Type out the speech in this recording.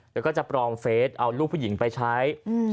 แล้วก็จะปรองเฟสเอาลูกผู้หญิงไปใช้